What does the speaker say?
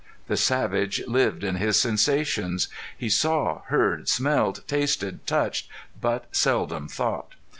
The savage lived in his sensations. He saw, heard, smelled, tasted, touched, but seldom thought.